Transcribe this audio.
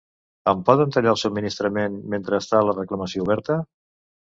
Em poden tallar el Subministrament mentre està la reclamació oberta?